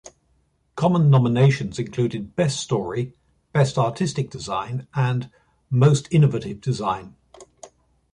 Common nominations included "Best Story", "Best Artistic Design", and "Most Innovative Design".